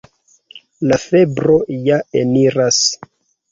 La febro ja eniras.